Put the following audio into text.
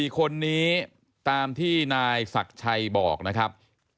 ๔คนนี้ตามที่นายศักดิ์ชัยบอกนะครับ